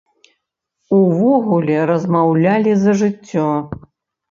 Увогуле размаўлялі за жыццё.